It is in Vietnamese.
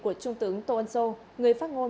của trung tướng tô ân sô người phát ngôn